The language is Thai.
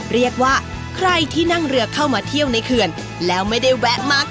เรียกว่าใครที่นั่งเรือเข้ามาเที่ยวในเขื่อนแล้วไม่ได้แวะมาก